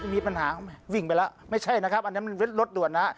มีวิงไปละไม่ใช่นะครับอันนี้มันรถด่วนนะ